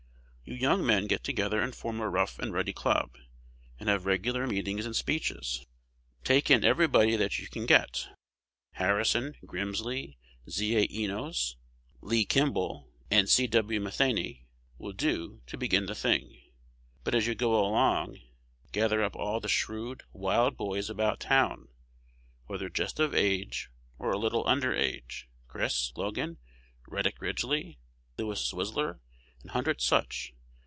You young men get together and form a Rough and Ready Club, and have regular meetings and speeches. Take in everybody that you can get. Harrison, Grimsley, Z. A. Enos, Lee Kimball, and C. W. Matheny will do to begin the thing; but, as you go along, gather up all the shrewd, wild boys about town, whether just of age or a little under age, Chris. Logan, Reddick Ridgely, Lewis Zwizler, and hundreds such.